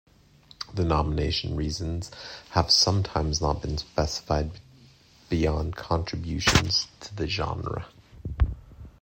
The nomination reasons have sometimes not been specified beyond "contributions to the genre".